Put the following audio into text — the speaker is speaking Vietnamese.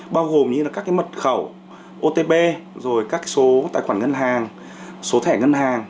bao gồm như các mật khẩu otp rồi các số tài khoản ngân hàng số thẻ ngân hàng